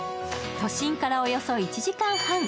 都心からおよそ１時間半。